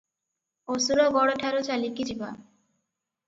ଅସୁରଗଡଠାରୁ ଚାଲିକି ଯିବା ।